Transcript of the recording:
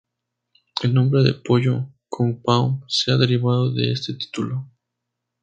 El nombre de pollo "Kung Pao" se ha derivado de este título.